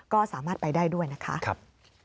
ก็สามารถไปได้ด้วยนะคะ